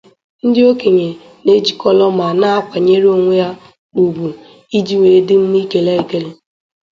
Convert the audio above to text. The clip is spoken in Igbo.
ndị okenye na-ejikọlo ma na-akwanyere onwe ha ugwu iji wee dị mma ikele ekele